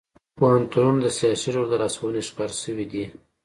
پوهنتونونه د سیاسي ډلو د لاسوهنې ښکار شوي دي